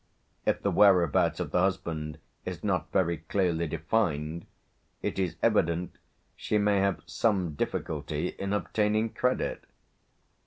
If the whereabouts of the husband is not very clearly defined, it is evident she may have some difficulty in obtaining credit.